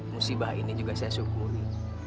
musibah ini juga saya syukuri